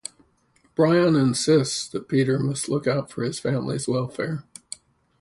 Brian insists that Peter must look out for his family's welfare.